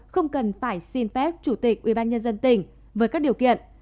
không cần phải xin phép chủ tịch ubnd tỉnh với các điều kiện